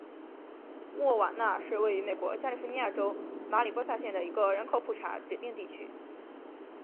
瓦沃纳是位于美国加利福尼亚州马里波萨县的一个人口普查指定地区。